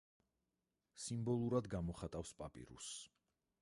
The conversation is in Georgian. სიმბოლურად გამოხატავს პაპირუსს.